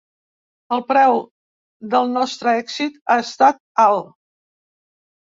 El preu del nostre èxit ha estat alt.